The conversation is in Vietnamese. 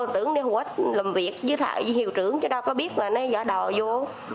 tưởng để hùa làm việc với thầy hiệu trưởng chứ đâu có biết là nó dở đò vô